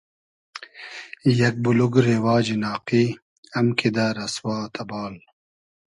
یئگ بولوگ رېواجی ناقی ام کیدۂ رئسوا تئبال